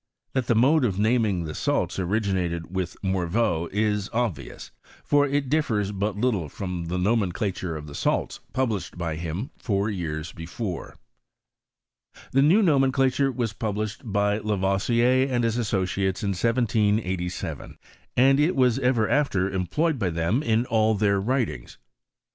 That the mode of naming the salts originated with Mor veau is obvious ; for it differs but little from the nomenclature of the salts published by him four yean before. The new nomenclature was published by Lavoi PROGRESS OF CH2MISTRT IN FRANCE. 133 sier and his associates in 1787, and it was ever after employed by them in all their writings.